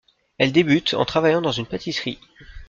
Elle débute en travaillant dans une pâtisserie.